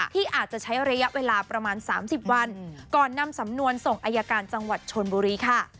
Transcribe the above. ที่อาจจะใช้ระยะเวลาประมาณ๓๐วันก่อนนำสำนวนส่งอายการจังหวัดชนบุรีค่ะ